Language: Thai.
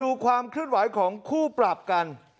ดูความเคลื่อนไหวของคู่ปรับกัน